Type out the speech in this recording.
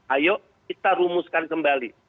ayo kita rumuskan kembali